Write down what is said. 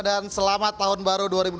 dan selamat tahun baru dua ribu dua puluh